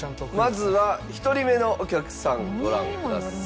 まずは１人目のお客さんご覧ください。